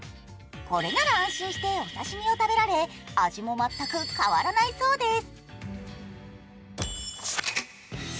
これなら安心してお刺身を食べられ味も全く変わらないそうです。